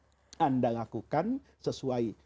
apa yang bisa anda lakukan sesuai